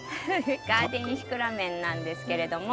ガーデンシクラメンなんですけれども。